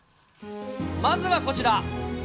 まずはこちら。